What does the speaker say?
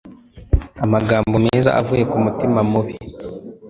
Amagambo meza avuye ku mutima mubi